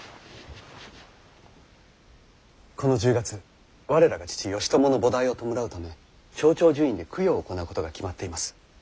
この１０月我らが父義朝の菩提を弔うため勝長寿院で供養を行うことが決まっています。